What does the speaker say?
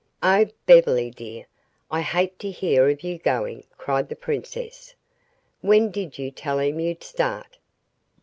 "Oh, Beverly, dear, I hate to hear of your going," cried the princess. "When did you tell him you'd start?"